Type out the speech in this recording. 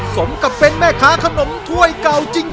สมกับเป็นแม่ค้าขนมถ้วยเก่าจริง